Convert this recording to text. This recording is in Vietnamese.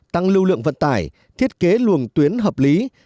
tăng lưu lượng vận tải thiết kế luồng tuyến hợp lý